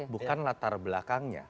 bukan latar belakangnya